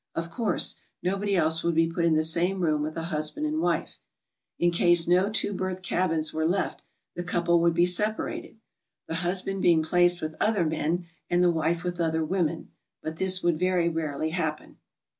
Of course, ! nobody else would be put in the same room with a husband and wife; in case no two berth cabins were left, the couple [ would be separated, the husband being placed with other men and the wife with other women, but this would very ; rarely happen.